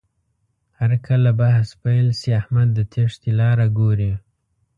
هرکله بحث پیل شي، احمد د تېښتې لاره ګوري.